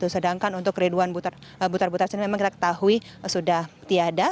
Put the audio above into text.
sedangkan untuk ridwan butar butar sini memang kita ketahui sudah tiada